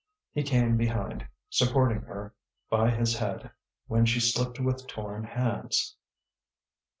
He came behind, supporting her by his head when she slipped with torn hands.